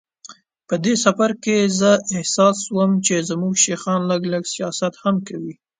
په دې سفر کې زه احساسوم چې زموږ شیخان لږ لږ سیاست هم کوي.